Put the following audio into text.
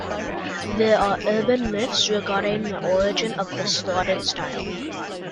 There are urban myths regarding the origin of the slotted style.